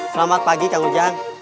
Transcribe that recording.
selamat pagi kang ujang